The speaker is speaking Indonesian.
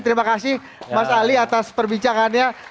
terima kasih mas ali atas perbincangannya